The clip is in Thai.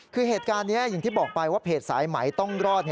คือเหตุการณ์นี้อย่างที่บอกไปว่าเพจสายไหมต้องรอด